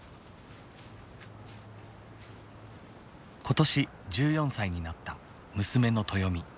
今年１４歳になった娘の鳴響美。